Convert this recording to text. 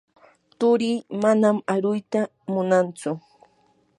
turii manan aruyta munantsu.